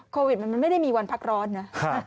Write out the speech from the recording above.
โควิดมันไม่ได้มีวันพักร้อนนะ